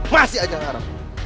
masih aja nara